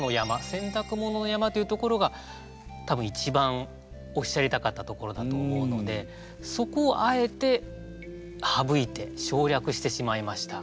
洗濯物の山というところが多分一番おっしゃりたかったところだと思うのでそこをあえて省いて省略してしまいました。